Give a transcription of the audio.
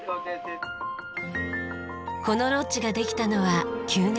このロッジができたのは９年前。